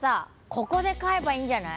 ここで飼えばいいんじゃない？